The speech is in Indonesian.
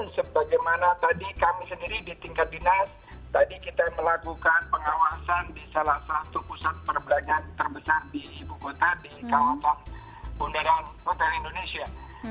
sebagaimana tadi kami sendiri di tingkat dinas tadi kita melakukan pengawasan di salah satu pusat perbelanjaan terbesar di ibu kota di kawasan bundaran hotel indonesia